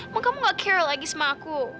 mau kamu gak care lagi sama aku